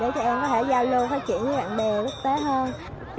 để cho em có thể giao lưu phát triển với bạn bè bất tế hơn